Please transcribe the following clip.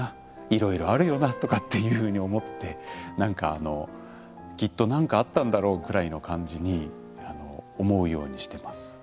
いろいろあるよな」とかっていうふうに思ってきっと何かあったんだろうくらいの感じに思うようにしてます。